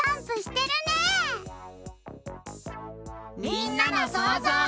みんなのそうぞう。